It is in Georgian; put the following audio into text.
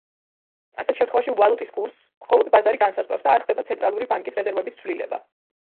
ასეთ შემთხვევაში ვალუტის კურსს მხოლოდ ბაზარი განსაზღვრავს და არ ხდება ცენტრალური ბანკის რეზერვების ცვლილება.